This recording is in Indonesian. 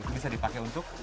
itu bisa dipakai untuk